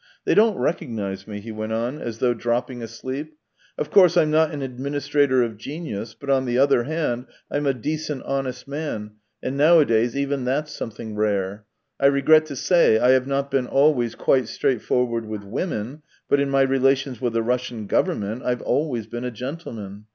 " They don't recognize me," he went on, as though dropping asleep. " Of course I'm not an administrator of genius, but, on the other hand. I 'ma decent, honest man, and nowadays even that's something rare. I regret to say I have not been always quite straightforward with women, but in my relations with the Russian government I've always been a gentleman.